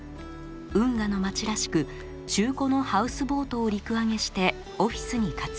運河の町らしく中古のハウスボートを陸揚げしてオフィスに活用。